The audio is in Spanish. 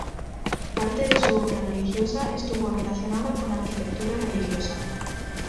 Parte de su obra religiosa estuvo relacionada con arquitectura religiosa.